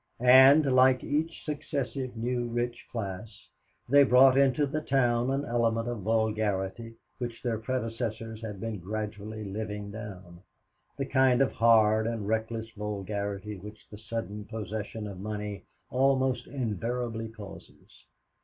And, like each successive new rich class, they brought into the town an element of vulgarity which their predecessors had been gradually living down, the kind of hard and reckless vulgarity which the sudden possession of money almost invariably causes.